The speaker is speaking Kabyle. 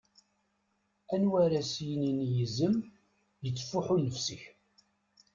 Anwa ara as-yinin i yizem: "Ittfuḥu nnefs-ik"?